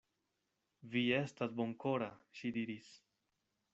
Vi estas bonkora, ŝi diris.